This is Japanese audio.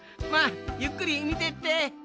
まあゆっくりみてって。